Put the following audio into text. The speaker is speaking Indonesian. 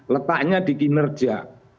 letaknya di kinerja